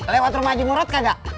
lewat rumah haji murad kagak